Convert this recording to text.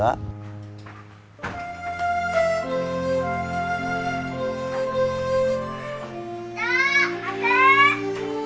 imas kamu mau ke rumah